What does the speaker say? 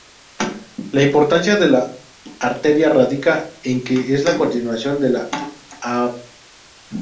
La importancia de la arteria radica en que es la continuación de la Av.